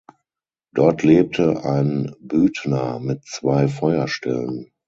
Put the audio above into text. Dort lebte ein Büdner mit zwei Feuerstellen.